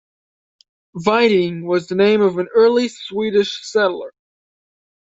Viding was the name of an early Swedish settler.